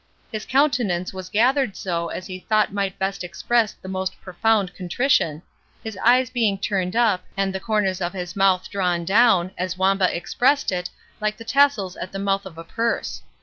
His countenance was gathered so as he thought might best express the most profound contrition, his eyes being turned up, and the corners of his mouth drawn down, as Wamba expressed it, like the tassels at the mouth of a purse.